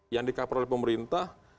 yang dikaper oleh pemerintah